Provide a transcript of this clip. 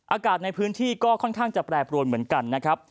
อากาศในพื้นที่ก็ค่อนข้างจะแปรปรวนเหมือนกันนะครับ